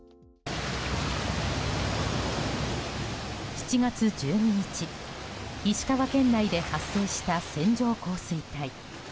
７月１２日石川県内で発生した線状降水帯。